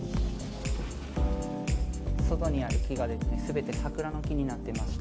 外にある木が全て桜の木になってまして。